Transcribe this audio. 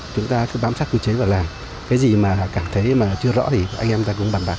chúng ta cứ bám sát quy chế và làm cái gì mà cảm thấy mà chưa rõ thì anh em người ta cũng bàn bạc